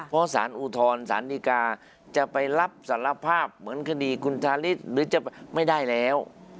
เพราะสารอุทธรสารดีกาจะไปรับสารภาพเหมือนคดีคุณทาริสหรือจะไม่ได้แล้ว